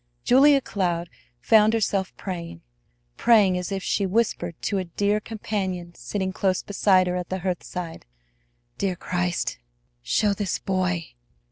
Julia Cloud found herself praying; praying, as if she whispered to a dear Companion sitting close beside her at the hearthside: "Dear Christ, show this boy.